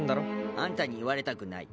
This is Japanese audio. あんたに言われたくない。